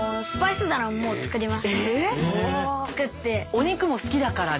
お肉も好きだからね。